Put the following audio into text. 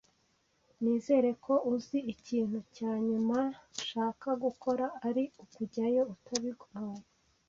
Nizere ko uzi ko ikintu cya nyuma nshaka gukora ari ukujyayo utabiguhaye.